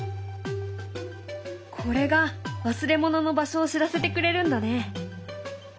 これが忘れ物の場所を知らせてくれるんだね。